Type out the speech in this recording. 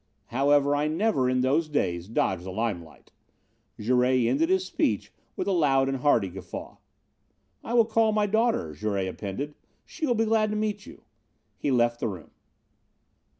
However I never, in those days, dodged the limelight." Jouret ended his speech with a loud and hearty guffaw. "I will call my daughter," Jouret appended. "She will be glad to meet you." He left the room.